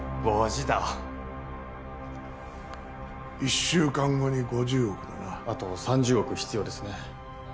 一週間後に５０億だなあと３０億必要ですね